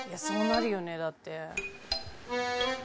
「そうなるよねだって」